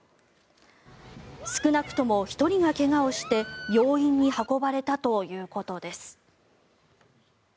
少なくとも１人が怪我をして病院に運ばれたということです。